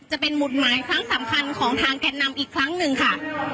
จะเป็นหมุดหมายครั้งสำคัญของทางแก่นนำอีกครั้งหนึ่งค่ะ